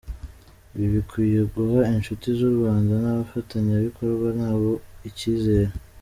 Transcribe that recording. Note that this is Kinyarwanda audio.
Ibi bikwiye guha inshuti z’u Rwanda n’abafatanyabikorwa nabo ikizere.